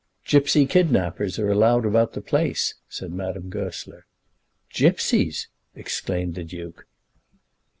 "Gipsy kidnappers are allowed about the place," said Madame Goesler. "Gipsies!" exclaimed the Duke.